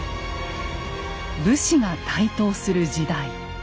武士が台頭する時代。